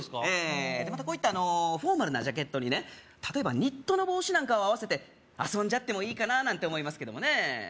ええでまたこういったフォーマルなジャケットにね例えばニットの帽子なんかを合わせて遊んじゃってもいいかななんて思いますけどもね